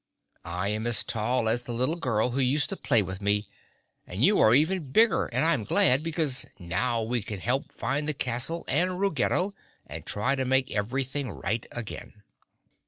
I am as tall as the little girl who used to play with me and you are even bigger and I'm glad, because now we can help find the castle and Ruggedo and try to make everything right again."